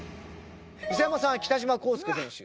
磯山さんは北島康介選手。